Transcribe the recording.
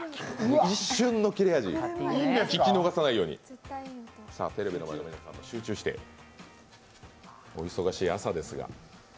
一瞬の切れ味、聞き逃さないようにテレビの前の皆さんも集中してお忙しい朝ですが。